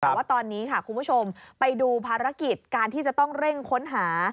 แต่ว่าตอนนี้ค่ะคุณผู้ชมไปดูภารกิจการที่จะต้องเร่งค้นหา